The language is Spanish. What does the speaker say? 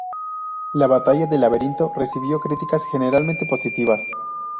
La batalla del laberinto recibió críticas generalmente positivas.